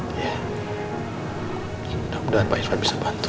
iya minta bantuan yang berhubungan bisa dibantu